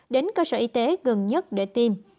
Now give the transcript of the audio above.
đến cơ sở y tế gần nhất để tiêm